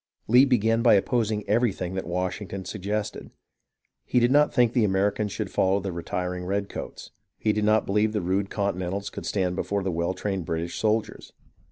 Lee began by opposing everything that Washington suggested. He did not think the Americans should follow the retiring redcoats ; he did not believe the rude Continentals could stand before the well trained Brit ish soldiers.